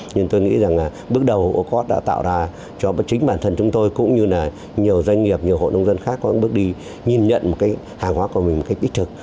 nhưng tôi nghĩ rằng là bước đầu ô cốp đã tạo ra cho chính bản thân chúng tôi cũng như là nhiều doanh nghiệp nhiều hộ nông dân khác cũng bước đi nhìn nhận hàng hóa của mình một cách ít thực